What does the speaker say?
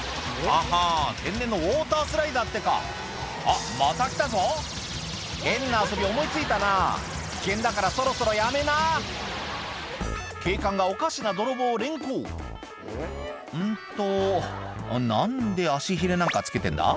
ははん天然のウオータースライダーってかあっまた来たぞ変な遊び思い付いたな危険だからそろそろやめな警官がおかしな泥棒を連行うんと何で足ヒレなんか着けてんだ？